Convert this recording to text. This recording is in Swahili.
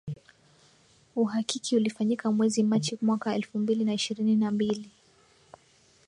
Uhakiki ulifanyika mwezi Machi mwaka elfu mbili na ishirini na mbili